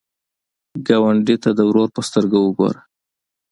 ګاونډي ته د ورور په سترګه وګوره